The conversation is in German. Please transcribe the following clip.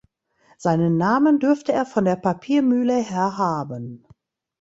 Seinen Namen dürfte er von der Papiermühle her haben.